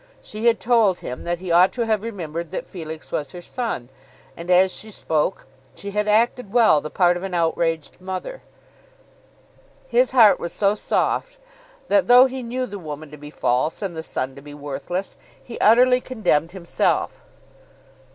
She had told him that he ought to have remembered that Felix was her son; and as she spoke she had acted well the part of an outraged mother. His heart was so soft that though he knew the woman to be false and the son to be worthless, he utterly condemned himself.